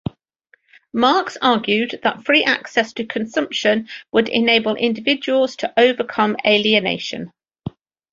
Marx argued that free access to consumption would enable individuals to overcome alienation.